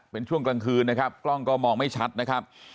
เป็นช่วงกลางคืนนะครับกล้องก็มองไม่ชัดนะครับ